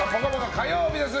火曜日です。